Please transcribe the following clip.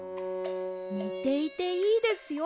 ねていていいですよ。